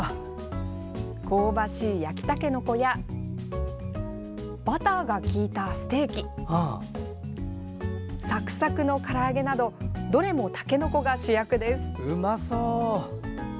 香ばしい焼きたけのこやバターがきいたステーキさくさくのから揚げなどどれもたけのこが主役です。